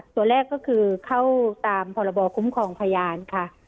ตัวแรกก็คือเข้าตามพรบคุ้มครองพยานค่ะ